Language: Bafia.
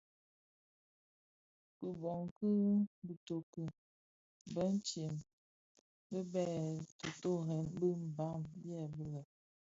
Kiboň ki bitoki bitsem bi byè totorèn bi Mbam byèbi lè: